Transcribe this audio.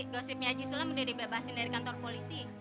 gossipnya haji sulam udah dibebasin dari kantor polisi